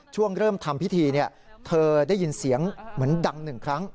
ช่วงเริ่มทำพิธีเธอได้ยินเสียงเหมือนดังหนึ่งครั้ง